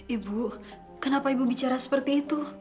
ibu kenapa ibu bicara seperti itu